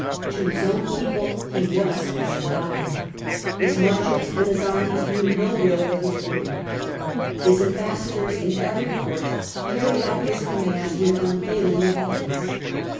To his own people he was as a god. His marshals and his armies knew no will but his word ; his ambassadors in every court carried out his command^ with unfailing obe dience.